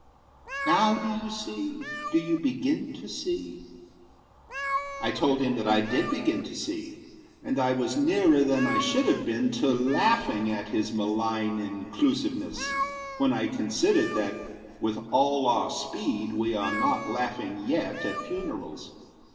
Now do you see? Do you begin to see?" I told him that I did begin to see; And I was nearer than I should have been To laughing at his malign inclusiveness, When I considered that, with all our speed, We are not laughing yet at funerals.